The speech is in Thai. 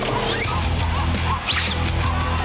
โอ้โฮโอ้โฮโอ้โฮโอ้โฮ